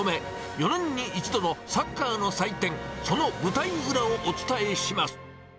４年に１度のサッカーの祭典、その舞台裏をお伝えします。